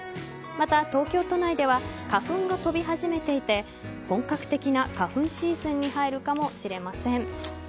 また、東京都内では花粉が飛び始めていて本格的な花粉シーズンに入るかもしれません。